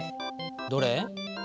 どれ？